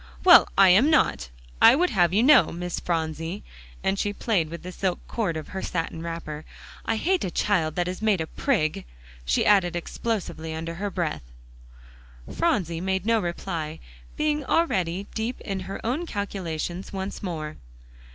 well, I am not, I would have you know, Miss Phronsie," and she played with the silk cord of her satin wrapper. "I hate a child that is made a prig!" she added explosively under her breath. Phronsie made no reply, being already deep in her own calculations once more.